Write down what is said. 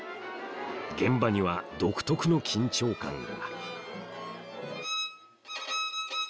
現場には独特の緊張感が